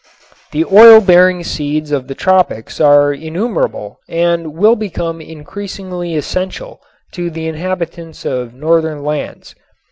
The oil bearing seeds of the tropics are innumerable and will become increasingly essential to the inhabitants of northern lands.